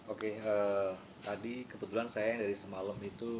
oke tadi kebetulan saya yang dari semalam itu